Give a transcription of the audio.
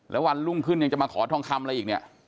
แล้ววันรุ่งขึ้นยังจะมาขอทองคำอะไรอีกเนี่ย